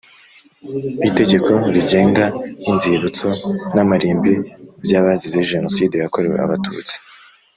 itegeko rigenga inzibutso n amarimbi by abazize Jenoside yakorewe Abatutsi